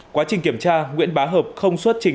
quá trình kiểm tra nguyễn bá hợp không xuất trình